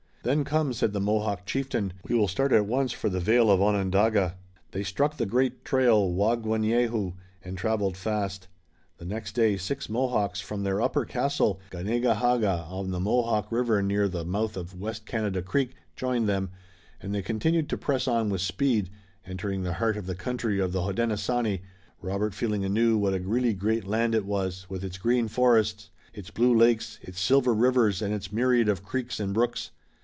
"Then come," said the Mohawk chieftain. "We will start at once for the vale of Onondaga." They struck the great trail, waagwenneyu, and traveled fast. The next day six Mohawks from their upper castle, Ganegahaga on the Mohawk river near the mouth of West Canada Creek, joined them and they continued to press on with speed, entering the heart of the country of the Hodenosaunee, Robert feeling anew what a really great land it was, with its green forests, its blue lakes, its silver rivers and its myriad of creeks and brooks.